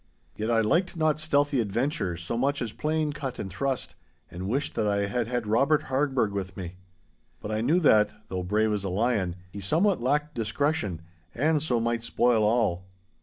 Yet I liked not stealthy adventure so much as plain cut and thrust, and wished that I had had Robert Harburgh with me. But I knew that, though brave as a lion, he somewhat lacked discretion, and so might spoil all.